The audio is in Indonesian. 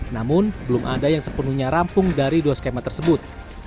namun belum ada yang sepenuhnya rampung dari dua skema tersebut